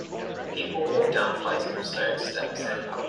People walk down a flight of stone steps in public.